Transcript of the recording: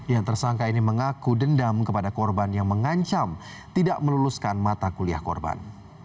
yang tersangka ini mengaku dendam kepada korban yang mengancam tidak meluluskan mata kuliah korban